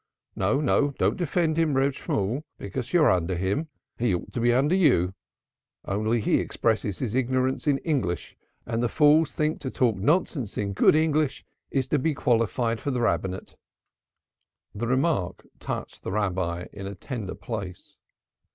No, no, don't defend him, Reb Shemuel, because you're under him. He ought to be under you only he expresses his ignorance in English and the fools think to talk nonsense in good English is to be qualified for the Rabbinate." The remark touched the Rabbi in a tender place.